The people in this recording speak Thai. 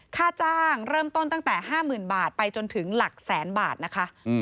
ค่าจ้างเริ่มต้นตั้งแต่๕๐๐๐บาทไปจนถึงหลักแสนบาทนะคะ